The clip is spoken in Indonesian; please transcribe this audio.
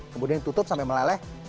kemudian tutup sampai meleleh